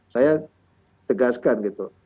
saya tegaskan gitu